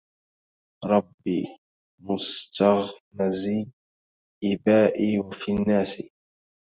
رب مستغمز إبائي وفي الناس